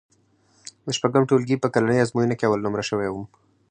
د شپږم ټولګي په کلنۍ ازموینه کې اول نومره شوی وم.